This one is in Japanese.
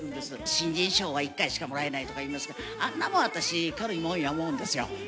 新人賞は１回しかもらえないとかいいますが、あんなもん、私、軽いもんや思うんですよ。